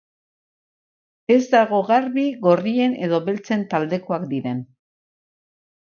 Ez dago garbi gorrien edo beltzen taldekoak diren.